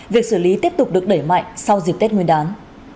việc xử lý tiếp tục được đẩy mạnh sau dịp tết nguyên đán